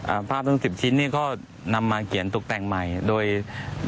อ่าภาพนั้น๑๐ชิ้นที่เขานำมาเขียนตุ๊กแต่งใหม่โดยโดย